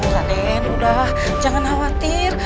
raden jangan khawatir